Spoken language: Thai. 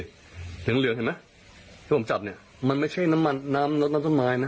เหลืองเหลืองเห็นไหมที่ผมจับเนี่ยมันไม่ใช่น้ำมันน้ำลดน้ำต้นไม้นะ